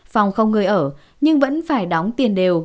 phòng không người ở nhưng vẫn phải đóng tiền đều